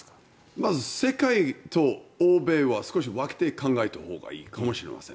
まず世界と欧米は少し分けて考えたほうがいいかもしれません。